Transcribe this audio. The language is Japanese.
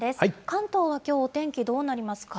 関東はきょう、お天気どうなりますか。